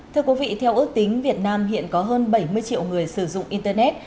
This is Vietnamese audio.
thưa quý vị theo ước tính việt nam hiện có hơn bảy mươi triệu người sử dụng internet